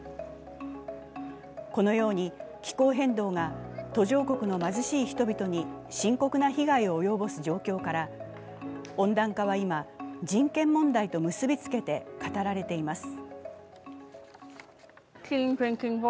このように気候変動が途上国の貧しい人々に深刻な被害を及ぼす状況から温暖化は今、人権問題と結びつけて語られています。